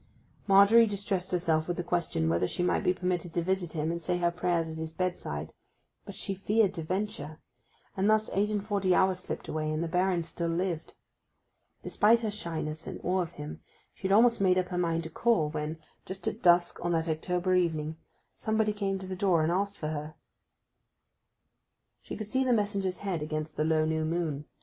Margery distressed herself with the question whether she might be permitted to visit him and say her prayers at his bedside; but she feared to venture; and thus eight and forty hours slipped away, and the Baron still lived. Despite her shyness and awe of him she had almost made up her mind to call when, just at dusk on that October evening, somebody came to the door and asked for her. She could see the messenger's head against the low new moon.